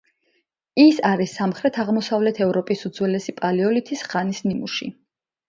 ის არის სამხრეთ-აღმოსავლეთ ევროპის უძველესი პალეოლითის ხანის ნიმუში.